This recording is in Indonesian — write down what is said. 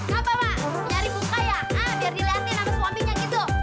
gapapa nyari muka ya biar diliatin sama suaminya gitu